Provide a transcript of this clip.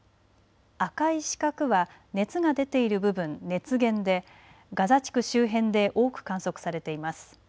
赤い四角は熱が出ている部分、熱源でガザ地区周辺で多く観測されています。